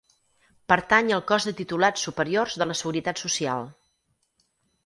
Pertany al Cos de Titulats Superiors de la Seguretat Social.